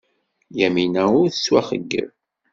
Yamina ur tettwaxeyyeb.